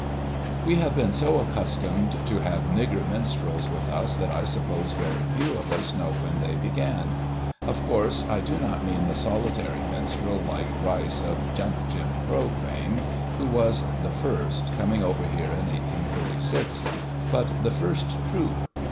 We have been so accustomed to have nigger minstrels with us that I suppose very few of us know when they began. Of course, I do not mean the solitary minstrel like Rice of " Jump Jim Crow " fame, who was the first, coming over here in 1836 ; but the first troupe.